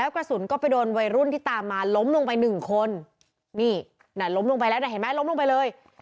กระสุนก็ไปโดนวัยรุ่นที่ตามมาล้มลงไปหนึ่งคนนี่น่ะล้มลงไปแล้วนะเห็นไหมล้มลงไปเลย